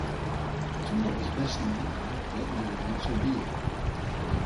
Two of his best known are What Will Your Answer Be?